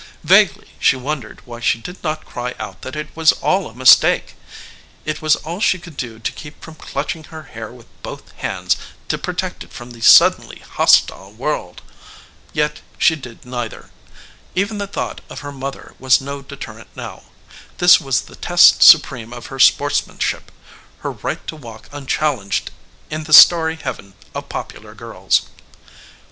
Vaguely she wondered why she did not cry out that it was all a mistake. It was all she could do to keep from clutching her hair with both bands to protect it from the suddenly hostile world. Yet she did neither. Even the thought of her mother was no deterrent now. This was the test supreme of her sportsmanship; her right to walk unchallenged in the starry heaven of popular girls.